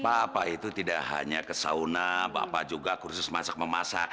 papa itu tidak hanya ke sauna papa juga kursus masak memasak